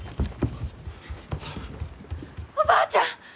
おばあちゃん！